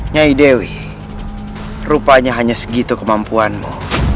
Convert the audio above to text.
nyai dewi rupanya hanya segitu kemampuanmu